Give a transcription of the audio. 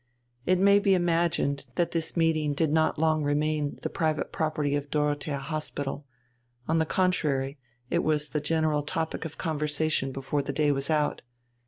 It may be imagined that this meeting did not long remain the private property of the Dorothea Hospital; on the contrary, it was the general topic of conversation before the day was out.